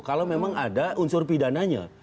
kalau memang ada unsur pidananya